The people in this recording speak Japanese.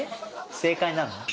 正解なの？